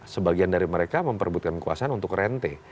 sebagian dari mereka memperbutkan kekuasaan untuk rente